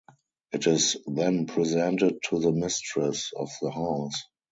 It is then presented to the mistress of the house.